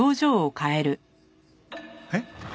えっ？